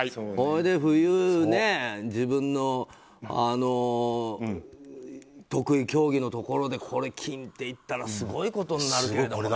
それで冬自分の得意競技のところで金っていったらすごいことになるけどね。